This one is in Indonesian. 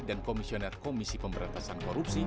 dan komisioner komisi pemberantasan korupsi